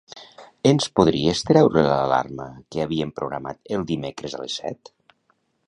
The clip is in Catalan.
Ens podries treure l'alarma que havíem programat els dimecres a les set?